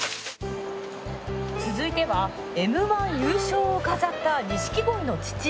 続いてはＭ−１優勝を飾った錦鯉の父。